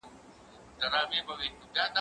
زه به اوږده موده لوبه کړې وم!.